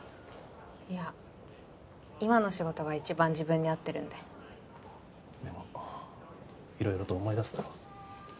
いや今の仕事が一番自分に合ってるんででも色々と思い出すだろう